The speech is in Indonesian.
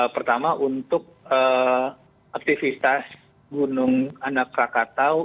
pertama untuk aktivitas gunung anak rakatau